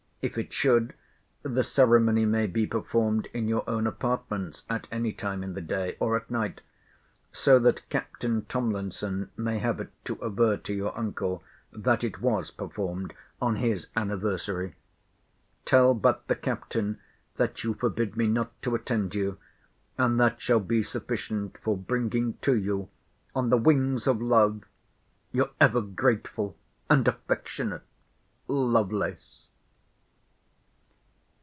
If it should, the ceremony may be performed in your own apartments, at any time in the day, or at night: so that Captain Tomlinson may have it to aver to your uncle, that it was performed on his anniversary. Tell but the Captain, that you forbid me not to attend you: and that shall be sufficient for bringing to you, on the wings of love, Your ever grateful and affectionate LOVELACE.